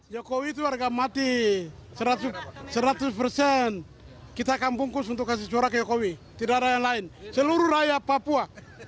jokowi itu harga mati seratus persen kita akan bungkus untuk kasih suara ke jokowi tidak ada yang lain seluruh rakyat papua